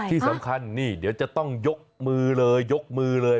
ที่สำคัญนี่เดี๋ยวจะต้องยกมือเลยยกมือเลย